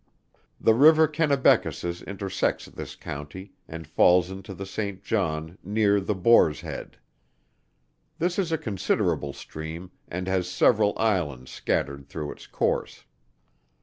The river Kennebeckasis intersects this county, and falls into the Saint John, near the Boar's Head. This is a considerable stream, and has several Islands scattered through its course.